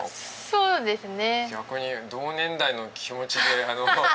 そうですね。